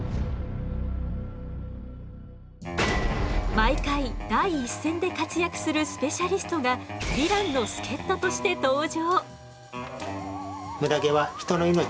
毎回第一線で活躍するスペシャリストがヴィランの助っととして登場。